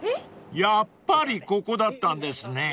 ［やっぱりここだったんですね］